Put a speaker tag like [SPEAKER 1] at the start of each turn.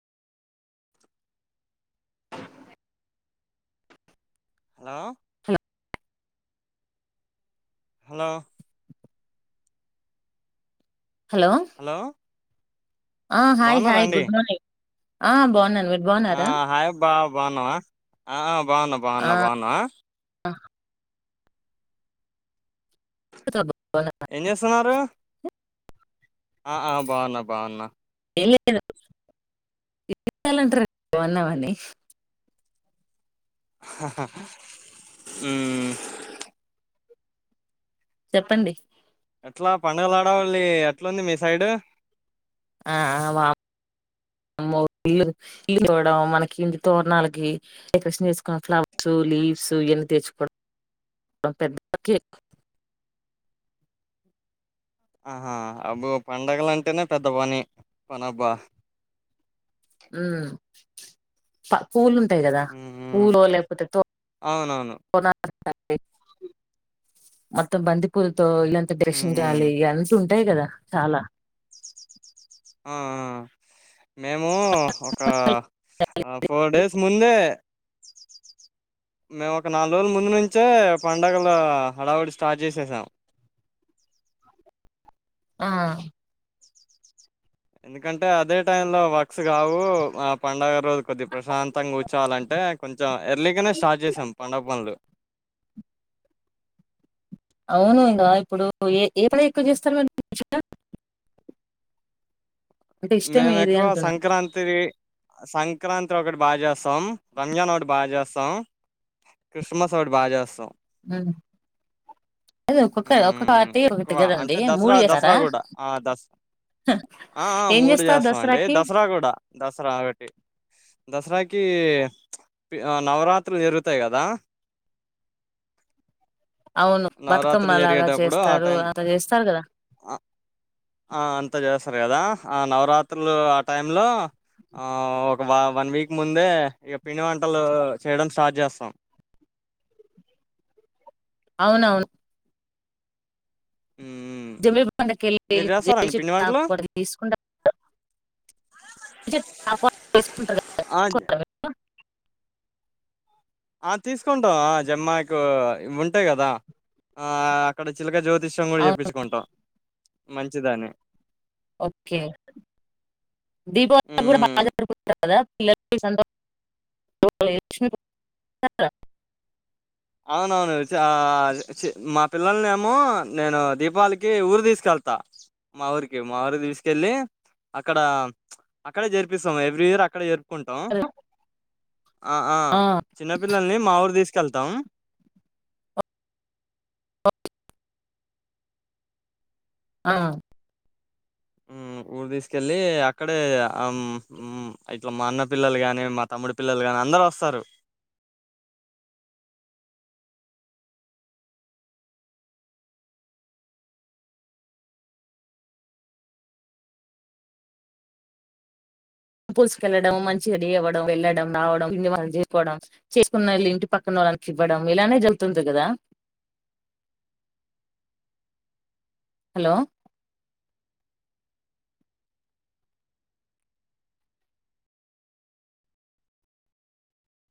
[SPEAKER 1] Hello
[SPEAKER 2] hello
[SPEAKER 1] hello
[SPEAKER 2] hello ఆ hi
[SPEAKER 1] బాగున్నారా
[SPEAKER 2] hi
[SPEAKER 1] అండి
[SPEAKER 2] గుడ్ మార్నింగ్ ఆ బాగునన్
[SPEAKER 1] ఆ హాయ్ బా బావున్నావా ఆ బావున్న బావున్నా బావున్నా హా
[SPEAKER 2] అ [inaudible]
[SPEAKER 1] సారు ఆ ఆ బాగున్నా బాగున్నా
[SPEAKER 2] ఏమ్ లేదు మీరెలా అంటారండి బాగున్నామని
[SPEAKER 1] హు
[SPEAKER 2] చెప్పండి
[SPEAKER 1] ఎట్లా పండగల హడావుల్లీ ఎట్లాంది మీ సైడ్
[SPEAKER 2] ఆ ఆ వామ్మో ఇల్లు తోడువడం మనకి ఇంటి తోరణాలకి డెకరేషన్ చేసుకు ఫ్లవర్స్ లీవ్స్ ఇవన్నీ తెచ్చుకోవడం పెద్దకి
[SPEAKER 1] ఆహా అబో పండగలు అంటేనే పెద్ద పని పని అబ్బ
[SPEAKER 2] ఉ పా పూలు ఉంటాయి కదా
[SPEAKER 1] మ్మ్
[SPEAKER 2] పూలు లేకపోతే తో
[SPEAKER 1] అవునవును
[SPEAKER 2] రణాలు [unintelligible] మొత్తం బంతిపూలతో తో ఇల్లంతా డెకరేషన్
[SPEAKER 1] మ్మ్
[SPEAKER 2] చేయాలి ఉంటాయి కదా చాలా
[SPEAKER 1] ఆ అ మేము ఒక ఫోర్ డేస్ ముందే మేము ఒక నాలుగు రోజుల ముందు నుంచే పండగల హడావుడి స్టార్ట్ చేసేసాం
[SPEAKER 2] ఆ
[SPEAKER 1] ఎందుకంటే అదే టైంలో వర్క్స్ కావు, ఆ పండుగ రోజు కొద్ది ప్రశాంతంగా కూర్చోలంటే, కొంచెం ఎర్లీగానే స్టార్ట్ చేసాం పండుగ పనులు.
[SPEAKER 2] అవును ఇంకా ఇప్పుడు ఏ ఏ పని ఎక్కువ చేస్తారు మీరు అంటే ఇష్టం
[SPEAKER 1] మేము
[SPEAKER 2] ఏది
[SPEAKER 1] ఎక్కువ
[SPEAKER 2] అంటున్నా
[SPEAKER 1] సంక్రాంతి సం సంక్రాంతి ఒకటి బాగా చేస్తాం రంజాన్ఒకటి బాగా చేస్తాం క్రిస్మస్ ఒకటి బాగా చేస్తాం
[SPEAKER 2] ఆ
[SPEAKER 1] హు ఎక్కువ
[SPEAKER 2] కదండి
[SPEAKER 1] అంటే
[SPEAKER 2] మూడు
[SPEAKER 1] దసరా
[SPEAKER 2] చేస్తారా
[SPEAKER 1] దసరా కూడా ఆ దసరా ఆ
[SPEAKER 2] ఏం
[SPEAKER 1] మూడు
[SPEAKER 2] చేస్తారు
[SPEAKER 1] చేస్తాం అండి
[SPEAKER 2] దసరాకి
[SPEAKER 1] దసరా కూడా దసరా ఒకటి దసరాకి నవరాత్రులు జరుగుతాయి కదా
[SPEAKER 2] అవును బతుకమ్
[SPEAKER 1] నవరాత్రులు
[SPEAKER 2] లాగా
[SPEAKER 1] జరిగేటప్పుడు ఆ
[SPEAKER 2] చేస్తారు
[SPEAKER 1] టైం
[SPEAKER 2] అదంతా చేస్తారు కదా
[SPEAKER 1] స్తారు కదా ఆ నవరాత్రులు ఆ టైం లో ఆఓ ఒక వన్ వీక్ ముందే ఇక పిండి వంటలు చేయడం స్టార్ట్ చేస్తాం
[SPEAKER 2] అవునవును
[SPEAKER 1] మ్మ్
[SPEAKER 2] జమీ పండకి వెళ్ళి
[SPEAKER 1] మీరు
[SPEAKER 2] జ
[SPEAKER 1] చేస్తారండి పిండి వంటలు
[SPEAKER 2] చెట్కు తీసుకుంటట్
[SPEAKER 1] ఆ
[SPEAKER 2] క
[SPEAKER 1] ఆ తీసుకుంటాం జమ్మాకు ఉంటాయి కదా ఆ అక్కడ చిలక జ్యోతి తిషం కూడా
[SPEAKER 2] అవును
[SPEAKER 1] చెప్పించుకుంటాం మంచిదాని
[SPEAKER 2] ఓకే దీపావళి కూడా
[SPEAKER 1] మ్మ్
[SPEAKER 2] బాగాగుత్తా కదా పిల్లల
[SPEAKER 1] అవునవును చ మా పిల్లల్ని ఏమో నేను దీపావళికి ఊరు తీసుకెళ్తా మా ఊరికి మా ఊరి తీసుకెళ్ళి అక్కడ అక్కడే చేర్పిస్తాం ఎవ్రీ ఇయర్ అక్కడే చేపి కుంటాం ఆ ఆ చిన్నపిిల్లల్ని మా ఊరు తీసుకు చల్తా
[SPEAKER 2] ఆ
[SPEAKER 1] ఊరు తీసుకెళ్ళి అక్కడే హు ఇట్లా మా అన్న పిల్లలు ని మా తమ్ముడి పిల్లలు కాని అందరు వస్తారు
[SPEAKER 2] టం పూల్స్క వెళ్లడం మంచిగా వ్వడం వెళ్ళడం రావడం ఇ మ తీసుకోవడం చేసుకున్నళ్ళ ఇంటి పక్కన వాళ్ళనికి ఇవ్వడం ఇలానే జరుగుతుంది కదా హలో